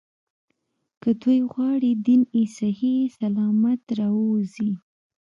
که دوی غواړي دین یې صحیح سلامت راووځي.